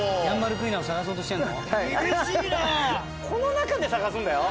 この中で探すんだよ。